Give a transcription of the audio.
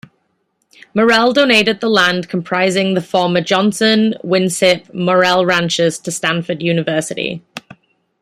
Morell donated the land comprising the former Johnson, Winship, Morell ranches to Stanford University.